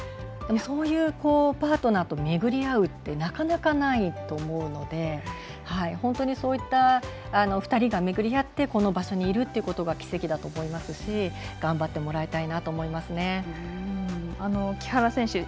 そういうパートナーと巡り会うってなかなかないと思うので本当にそういった２人が巡り合ってこの場所にいることが奇跡だと思いますし頑張ってもらいたいと思いますね。